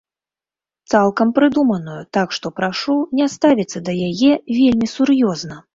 Цалкам прыдуманую, так што прашу не ставіцца да яе вельмі сур'ёзна.